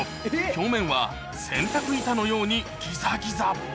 表面は洗濯板のようにぎざぎざ。